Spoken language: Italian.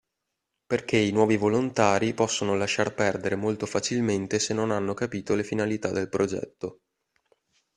Perché i nuovi volontari possono lasciar perdere molto facilmente se non hanno capito le finalità del progetto.